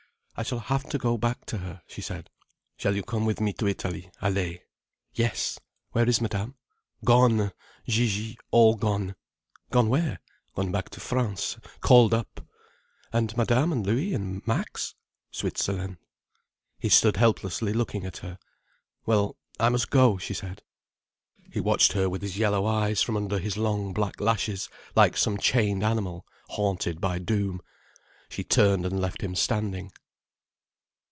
"I shall have to go back to her," she said. "Shall you come with me to Italy, Allaye?" "Yes. Where is Madame?" "Gone! Gigi—all gone." "Gone where?" "Gone back to France—called up." "And Madame and Louis and Max?" "Switzerland." He stood helplessly looking at her. "Well, I must go," she said. He watched her with his yellow eyes, from under his long black lashes, like some chained animal, haunted by doom. She turned and left him standing.